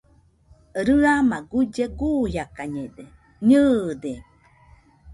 Rɨama guille guiakañede, nɨɨde.